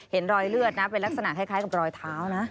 เห็นรอยเลือดนะเป็นลักษณะคล้ายกับรอยเท้านะ